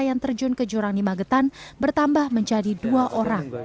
yang terjun ke jurang di magetan bertambah menjadi dua orang